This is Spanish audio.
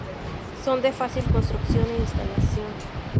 Son de fácil construcción e instalación.